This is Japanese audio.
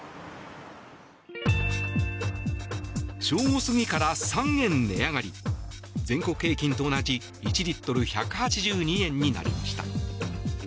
正午過ぎから３円値上がり全国平均と同じ１リットル１８２円になりました。